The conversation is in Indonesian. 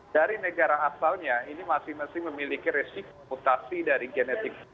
dari negara asalnya ini masing masing memiliki resiko mutasi dari genetik